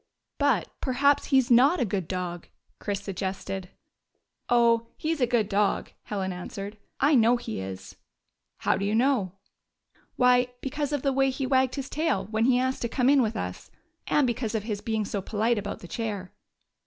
" But, perhaps, he 's not a good dog," Chris suggested. " Oh, he *s a good dog," Helen answered. "I know he is." " How do you know ?"" Why, because of the way he wagged his tail 53 GYPSY, THE TALKING DOG when he asked to come in with us, and because of his being so polite about the chair."